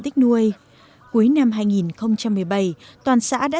tích nuôi cuối năm hai nghìn một mươi bảy toàn xã đã